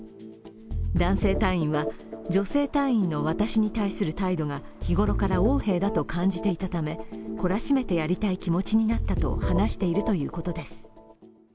男性隊員は、女性隊員の私に対する態度が日ごろから横柄だと感じていたため、懲らしめてやりたい気持ちになったと話しているということです。